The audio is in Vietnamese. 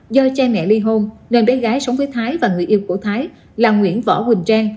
do cha mẹ ly hôn nên bé gái sống với thái và người yêu của thái là nguyễn võ huỳnh trang